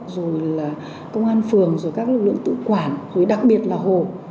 rồi là công an phường rồi các lực lượng tự quản rồi đặc biệt là hồ